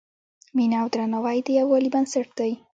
مینه او درناوی د یووالي بنسټ دی.